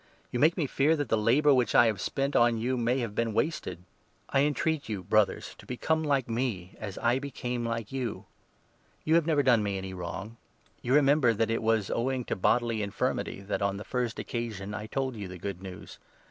You make me fear that the labour which I have spent n on you may have been wasted. TH A ostie ^ entreat you, Brothers, to become like me, as 12 andPhi*8 I became like you. You have never done me any Converts, wrong. You remember that it was owing to 13 bodily infirmity that on the first occasion I told you the Good News.